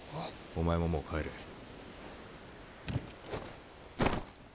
お前ももう帰れ。